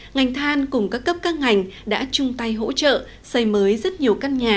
ngành than cùng các cấp các ngành đã chung tay hỗ trợ xây mới rất nhiều căn nhà